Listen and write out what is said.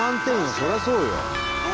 そりゃそうよ。